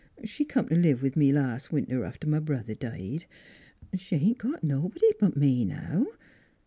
She come t' live with me last winter after m' brother died. She ain't got nobody but me, now.